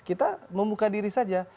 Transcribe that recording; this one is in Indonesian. kita membuka diri saja